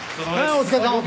お疲れさん。